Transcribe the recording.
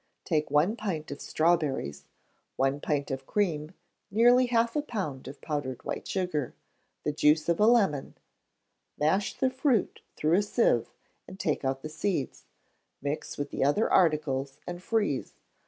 Take one pint of strawberries, one pint of cream, nearly half a pound of powdered white sugar, the juice of a lemon; mash the fruit through a sieve, and take out the seeds: mix with the other articles, and freeze.